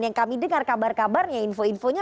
yang kami dengar kabar kabarnya info infonya